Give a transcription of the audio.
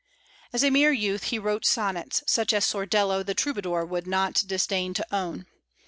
As a mere youth he wrote sonnets, such as Sordello the Troubadour would not disdain to own.